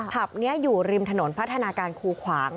ผับนี้อยู่ริมถนนพัฒนาการคูขวาง